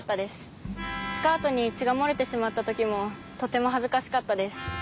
スカートにちがもれてしまったときもとてもはずかしかったです。